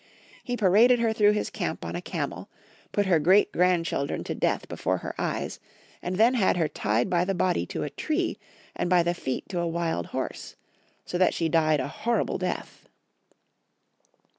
He paraded her tlirough liis camp on a camel, put her great grand cliildren to death before her eyes, and then had her tied by the body to a tree and by the feet to a wild horse, so that she died a horrible death.